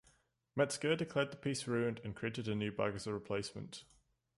Metzger declared the piece ruined and created a new bag as a replacement.